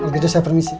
gitu saya permisi